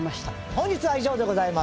本日は以上でございます。